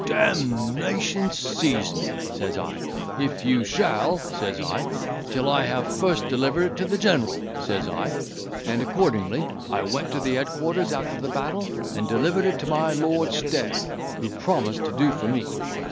"D—nation seize me," says I, "if you shall," says I, "till I have first delivered it to the general," says I; and accordingly I went to the headquarters after the battle, and delivered it to my Lord Stair, who promised to do for me.